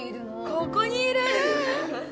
ここにいる！